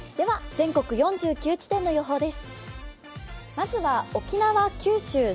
全国４９地点の予報です。